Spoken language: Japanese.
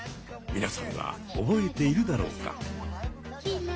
みなさんは覚えているだろうか？